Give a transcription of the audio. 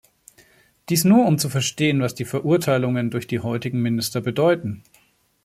Dies nur, um zu verstehen, was die Verurteilungen durch die heutigen Minister bedeuten!